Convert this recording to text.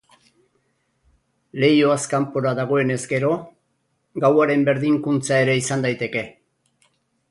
Leihoaz kanpora dagoenez gero, gauaren berdinkuntza ere izan daiteke.